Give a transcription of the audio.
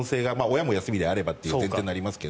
親も休みであるという前提がありますが。